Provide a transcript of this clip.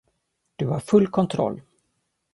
Du har full kontroll.